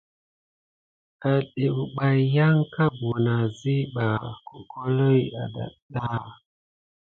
Ɓaɗé pebay yanka buwune asiɓa holohi adaga.